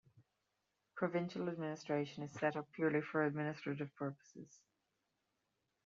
Provincial administration is setup purely for administrative purposes.